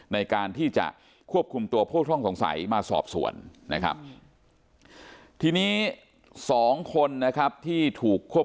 ในการที่จะควบคุมตัวโภคท่องสงสัยมาสอบสวนนะครับ